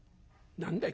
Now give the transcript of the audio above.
「何だい